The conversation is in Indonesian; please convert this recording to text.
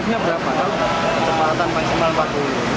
ini buru buru atau gimana pak